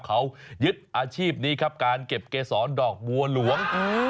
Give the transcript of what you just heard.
เขายึดอาชีพนี้ครับการเก็บเกษรดอกบัวหลวง